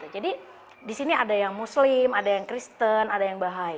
jadi di sini ada yang muslim ada yang kristen ada yang bahai